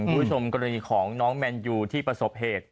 คุณผู้ชมกรณีของน้องแมนยูที่ประสบเหตุ